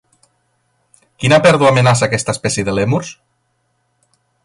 Quina pèrdua amenaça aquesta espècie de lèmurs?